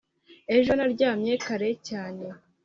ejo naryamye kare cyane